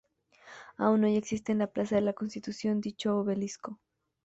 Aún hoy existe en la plaza de la Constitución dicho obelisco.